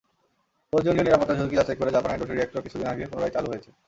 প্রয়োজনীয় নিরাপত্তাঝুঁকি যাচাই করে জাপানে দুটি রিঅ্যাকটর কিছুদিন আগে পুনরায় চালু হয়েছে।